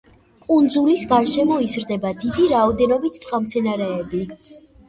კუნძულის გარშემო იზრდება დიდი რაოდენობით წყალმცენარეები.